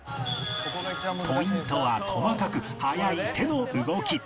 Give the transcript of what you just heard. ポイントは細かく速い手の動き